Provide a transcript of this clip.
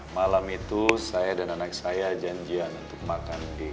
malam itu saya dan anak saya janjian untuk makan di